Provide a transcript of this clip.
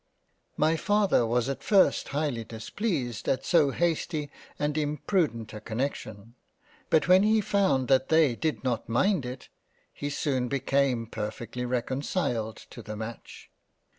My Father was at first highly 55 £ JANE AUSTEN j displeased at so hasty and imprudent a connection ; but when he found that they did not mind it, he soon became perfectly reconciled to the match.